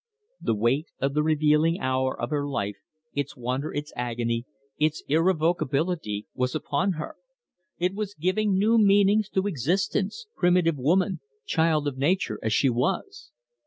The weight of the revealing hour of her life, its wonder, its agony, its irrevocability, was upon her. It was giving new meanings to existence primitive woman, child of nature as she was.